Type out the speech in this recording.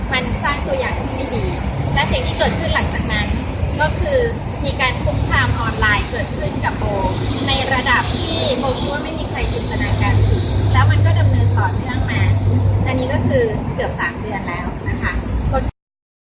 มันสร้างตัวอย่างที่ไม่ดีและสิ่งที่เกิดขึ้นหลังจากนั้นก็คือมีการคุกคามออนไลน์เกิดขึ้นกับโบในระดับที่โบคิดว่าไม่มีใครจินตนาการอีกแล้วมันก็ดำเนินต่อเนื่องมาอันนี้ก็คือเกือบสามเดือนแล้วนะคะ